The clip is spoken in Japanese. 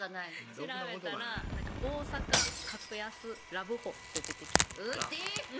調べたら「大阪格安ラブホ」って出てきたんですウッディ！